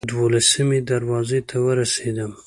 دولسمې دروازې ته ورسېدم.